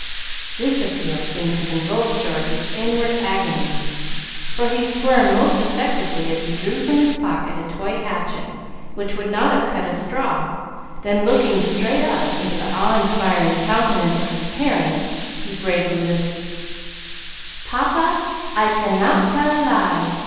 This appeal seemed to convulse George with inward agony, for he squirmed most effectively as he drew from his pocket a toy hatchet, which would not have cut a straw, then looking straight up into the awe inspiring countenance of his parent, he bravely lisped, "Papa, I tannot tell a lie.